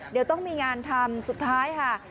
เดี๋ยวต้องมีงานทำสุดท้ายค่ะ